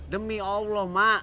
demi allah ma